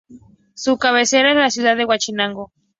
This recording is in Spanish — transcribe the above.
Su cabecera es la ciudad de Huauchinango.